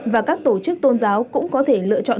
và các tổ chức tôn giáo cũng có thể lựa chọn